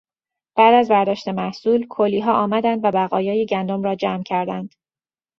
بعد از برداشت محصول کولیها آمدند و بقایای گندم را جمع کردند.